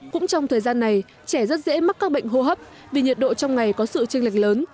cũng trong thời gian này trẻ rất dễ mắc các bệnh hô hấp vì nhiệt độ trong ngày có sự tranh lệch lớn